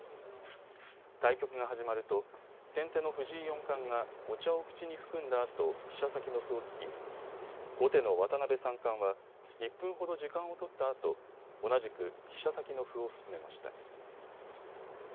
対局が始まると先手の藤井四冠がお茶を口に含んだあと飛車先の歩を突き後手の渡辺三冠は、１分ほど時間を取ったあと同じく飛車先の歩を進めました。